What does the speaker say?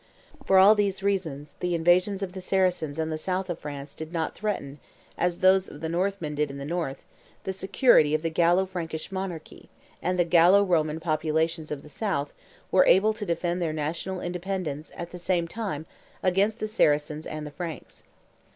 For all these reasons, the invasions of the Saracens in the south of France did not threaten, as those of the Northmen did in the north, the security of the Gallo Frankish monarchy, and the Gallo Roman populations of the south were able to defend their national independence at the same time against the Saracens and the Franks.